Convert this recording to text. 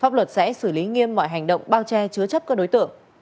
pháp luật sẽ xử lý nghiêm mọi hành động bao che chứa chấp các đối tượng